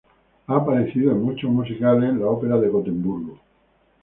Ha aparecido en muchos musicales en la ópera de Gotemburgo.